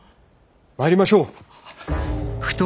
参りましょう。